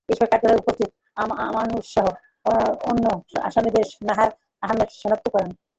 এ সময় কাঠগড়ায় উপস্থিত আমানুরসহ অন্য আসামিদের নাহার আহমেদ শনাক্ত করেন।